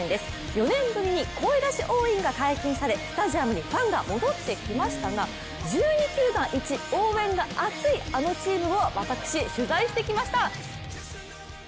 ４年ぶりに声出し応援が解禁されスタジアムにファンが戻ってきましたが１２球団イチ応援が熱いあのチームを私、取材してきました。